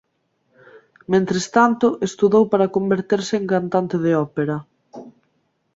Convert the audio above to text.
Mentres tanto estudou para converterse en cantante de ópera.